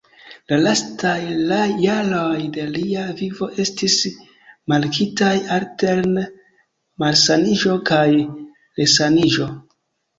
La lastaj jaroj de lia vivo estis markitaj alterne malsaniĝo kaj resaniĝo.